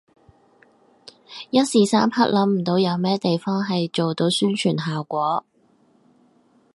一時三刻諗唔到有咩地方係做到宣傳效果